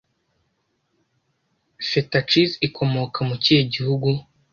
Feta Cheese ikomoka mu kihe gihugu?